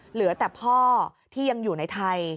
เหลือแต่พ่อที่ยังอยู่ในไทย